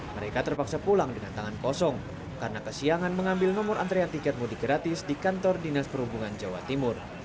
mereka terpaksa pulang dengan tangan kosong karena kesiangan mengambil nomor antrean tiket mudik gratis di kantor dinas perhubungan jawa timur